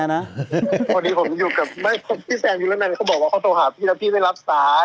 เขาบอกว่าเขาโทรหาพี่แล้วพี่ไม่รับสาย